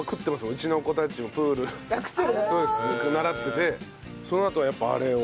うちの子たちもプール習っててそのあとはやっぱあれを。